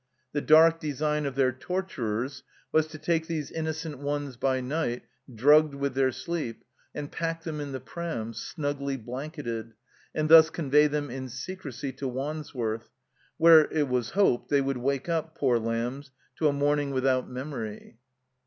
The dark design of their torturers was to take these innocent ones by night, drugged with their sleep, and pack them in the pram, snugly blanketed, and thus convey them in secrecy to Wandsworth, where, it was hoped, they would wake up, poor lambs, to a morning without memory.